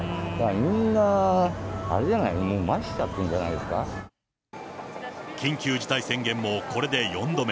みんなあれじゃない、緊急事態宣言もこれで４度目。